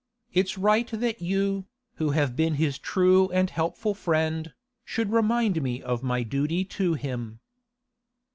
It's right that you, who have been his true and helpful friend, should remind me of my duty to him.